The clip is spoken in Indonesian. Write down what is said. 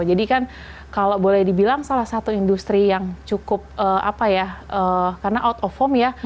jadi kan kalau boleh dibilang salah satu industri yang cukup apa ya karena out of home ya